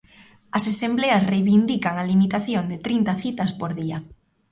As Asembleas reivindican a limitación de trinta citas por día.